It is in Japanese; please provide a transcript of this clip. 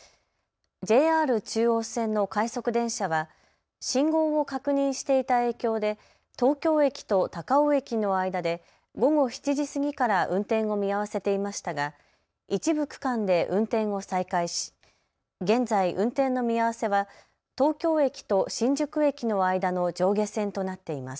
ＪＲ中央線の快速電車は信号を確認していた影響で東京駅と高尾駅の間で午後７時過ぎから運転を見合わせていましたが一部区間で運転を再開し現在、運転の見合わせは東京駅と新宿駅の間の上下線となっています。